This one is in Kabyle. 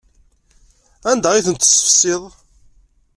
Anda ay tent-tessefsiḍ?